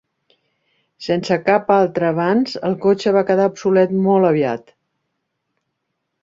Sense cap altre avanç, el cotxe va quedar obsolet molt aviat.